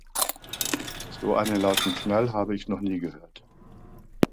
So einen lauten Knall habe ich noch nie gehört!